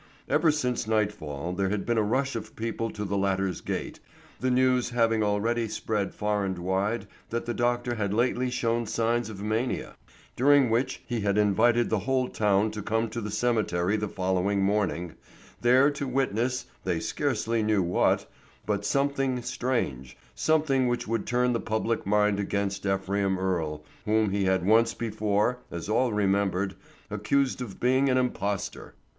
Ever since nightfall there had been a rush of people to the latter's gate, the news having already spread far and wide that the doctor had lately shown signs of mania, during which he had invited the whole town to come to the cemetery the following morning, there to witness, they scarcely knew what, but something strange, something which would turn the public mind against Ephraim Earle, whom he had once before, as all remembered, accused of being an impostor.